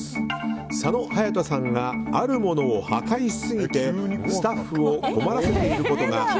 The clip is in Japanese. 佐野勇斗さんがあるものを破壊しすぎてスタッフを困らせていることがＭ！